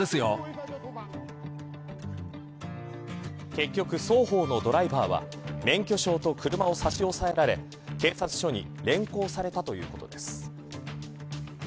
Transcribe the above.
結局、双方のドライバーは免許証と車を差し押さえられ警察署に連行されたということです。